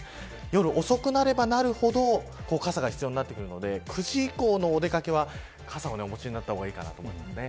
夜遅くなればなるほど傘が必要になってくるので９時以降のお出掛けは傘をお持ちになった方がいいと思います。